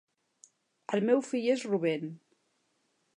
El meu fill és Rubén.